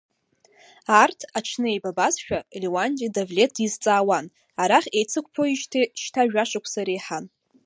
Арҭ аҽны еибабазшәа, Леуанти Давлеҭ дизҵаауан, арахь еицықәԥозижьҭеи шьҭа жәа-шықәса иреиҳан.